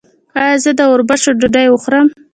ایا زه د وربشو ډوډۍ وخورم؟